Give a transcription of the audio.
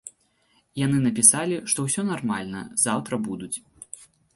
Яны напісалі, што ўсё нармальна, заўтра будуць.